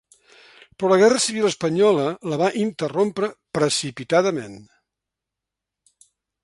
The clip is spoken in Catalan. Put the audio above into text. Però la guerra civil espanyola la va interrompre precipitadament.